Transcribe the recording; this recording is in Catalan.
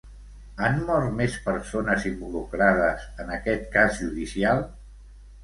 Han mort més persones involucrades en aquest cas judicial?